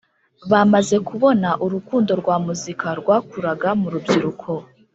bamaze kubona urukundo rwa muzika rwakuraga mu rubyiruko